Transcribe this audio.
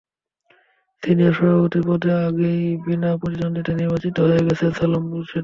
Senior সহসভাপতি পদে আগেই বিনা প্রতিদ্বন্দ্বিতায় নির্বাচিত হয়ে গেছেন সালাম মুর্শেদী।